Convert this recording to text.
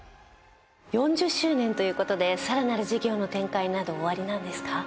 ４０周年という事でさらなる事業の展開などおありなんですか？